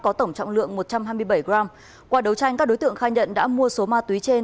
có tổng trọng lượng một trăm hai mươi bảy g qua đấu tranh các đối tượng khai nhận đã mua số ma túy trên